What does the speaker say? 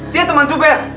dia teman super